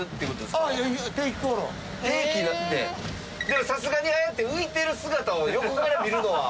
でもさすがにああやって浮いてる姿を横から見るのは。